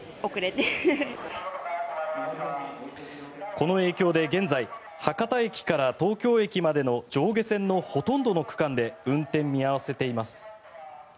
この影響で現在博多駅から東京駅までの上下線のほとんどの区間で運転を見合わせています。